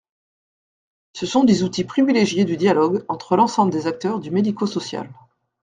Ce sont des outils privilégiés du dialogue entre l’ensemble des acteurs du médico-social.